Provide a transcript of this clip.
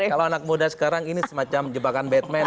kalau anak muda sekarang ini semacam jebakan batman